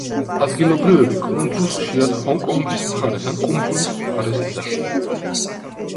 ადგილობრივები კუნძულს ხშირად „ჰონგ-კონგის მხარეს“ ან „კუნძულის მხარეს“ ეძახდნენ.